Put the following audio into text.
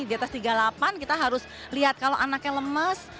di atas tiga puluh delapan kita harus lihat kalau anaknya lemes